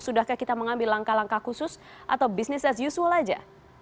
sudahkah kita mengambil langkah langkah khusus atau business as usual aja